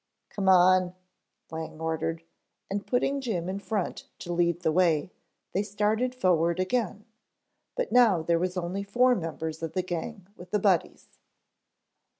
"Come on," Lang ordered, and putting Jim in front to lead the way, they started forward again, but now there were only four members of the gang with the Buddies.